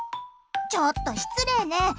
ちょっと、失礼ね！